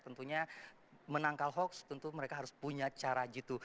tentunya menangkal hoax tentu mereka harus punya cara jitu